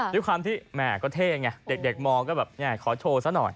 ด้วยความที่แม่ก็เท่ไงเด็กมองก็แบบขอโชว์ซะหน่อย